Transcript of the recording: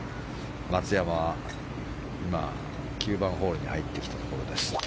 松山は今、９番ホールに入ってきたところです。